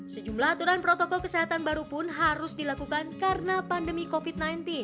sejumlah aturan protokol kesehatan baru pun harus dilakukan karena pandemi covid sembilan belas